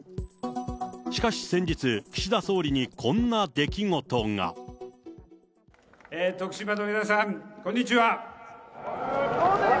しかし先日、徳島の皆さん、こんにちは。